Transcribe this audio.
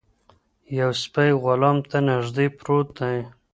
یو سپی غلام ته نږدې پروت دی.